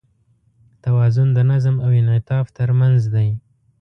توازن د نظم او انعطاف تر منځ دی.